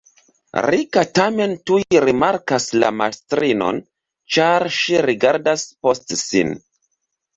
Rika tamen tuj rimarkas la mastrinon, ĉar ŝi rigardas post sin.